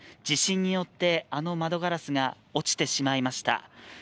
地震によって、あの窓ガラスが落ちてしまいました。